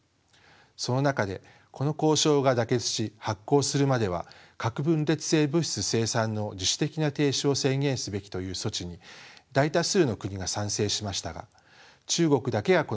その中でこの交渉が妥結し発効するまでは核分裂性物質生産の自主的な停止を宣言すべきという措置に大多数の国が賛成しましたが中国だけはこの点に強硬に反対しました。